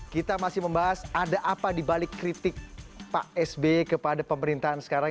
kita masih membahas ada apa dibalik kritik pak sby kepada pemerintahan sekarang